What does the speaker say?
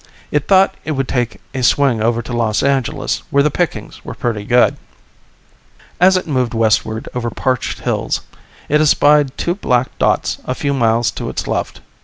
It thought it would take a swing over to Los Angeles, where the pickings were pretty good. As it moved westward over parched hills, it espied two black dots a few miles to its left.